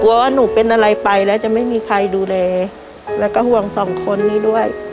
ว่าหนูเป็นอะไรไปแล้วจะไม่มีใครดูแลแล้วก็ห่วงสองคนนี้ด้วย